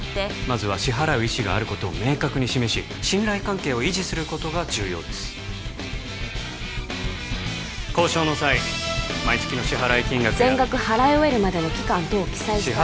まずは支払う意思があることを明確に示し信頼関係を維持することが重要です交渉の際毎月の支払金額や全額払い終えるまでの期間等を記載した